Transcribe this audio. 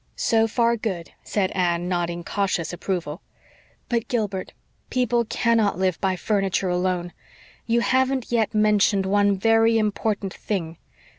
"So far, good," said Anne, nodding cautious approval. "But, Gilbert, people cannot live by furniture alone. You haven't yet mentioned one very important thing.